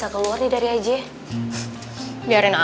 katap bukan di negara patriotik